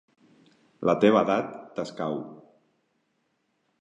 La teva edat t'escau.